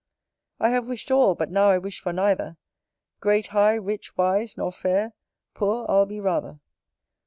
I have wish'd all, but now I wish for neither. Great, high, rich, wise, nor fair: poor I'll be rather.